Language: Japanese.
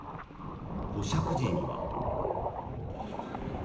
保釈時には。